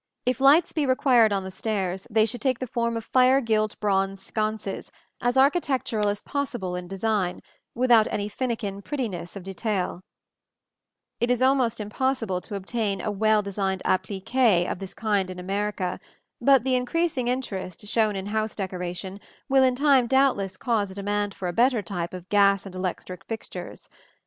If lights be required on the stairs, they should take the form of fire gilt bronze sconces, as architectural as possible in design, without any finikin prettiness of detail. (For good examples, see the appliques in Plates V and XXXIV). It is almost impossible to obtain well designed appliques of this kind in America; but the increasing interest shown in house decoration will in time doubtless cause a demand for a better type of gas and electric fixtures.